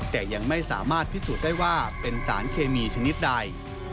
แต่ยังไม่สามารถพิสูจน์ได้ว่าเป็นสารเคมีชนิดใด